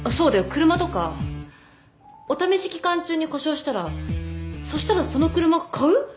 車とかお試し期間中に故障したらそしたらその車買う？